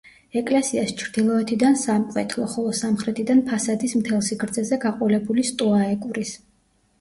ეკლესიას ჩრდილოეთიდან სამკვეთლო, ხოლო სამხრეთიდან ფასადის მთელ სიგრძეზე გაყოლებული სტოა ეკვრის.